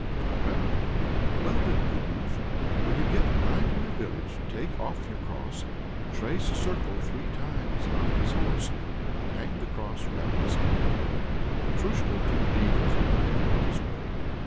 "I have." "Well then, good youth, when you get nigh to your village, take off your cross, trace a circle three times about this horse, and hang the cross round its neck." Petrusha took leave of her and went his way.